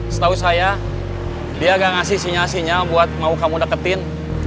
setahu saya dia agak ngasih sinyal sinyal buat mau kamu deketin